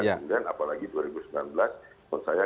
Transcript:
kemudian apalagi dua ribu sembilan belas menurut saya